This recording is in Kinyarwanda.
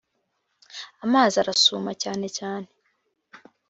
amazi arasuma cyane cyane